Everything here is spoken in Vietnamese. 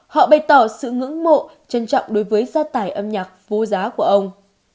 họ bày tỏ sự ngưỡng mộ trân trọng đối với gia tài âm nhạc vô giá của ông